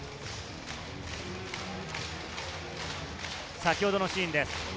先ほどのシーンです。